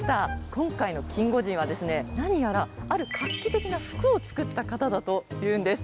今回のキンゴジンはですね何やらある画期的な服を作った方だというんです。